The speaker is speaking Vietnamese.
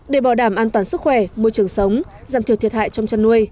để bỏ đảm an toàn sức khỏe môi trường sống giảm thiệt thiệt hại trong chăn nuôi